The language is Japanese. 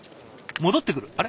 戻ってくる？